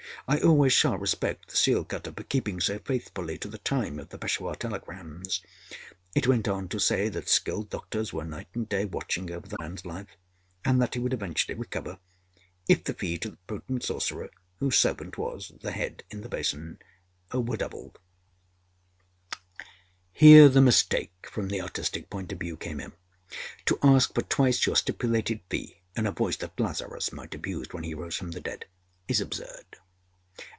I always shall respect the seal cutter for keeping so faithfully to the time of the Peshawar telegrams. It went on to say that skilled doctors were night and day watching over the man's life; and that he would eventually recover if the fee to the potent sorcerer, whose servant was the head in the basin, were doubled. Here the mistake from the artistic point of view came in. To ask for twice your stipulated fee in a voice that Lazarus might have used when he rose from the dead, is absurd.